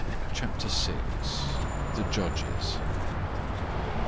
CHAPTER VI. THE JUDGES.